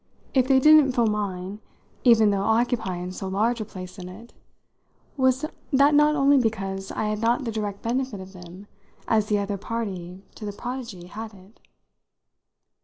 If they didn't fill mine even though occupying so large a place in it was that not only because I had not the direct benefit of them as the other party to the prodigy had it?